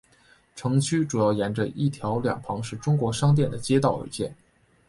城区主要沿着一条两旁是中国商店的街道而建。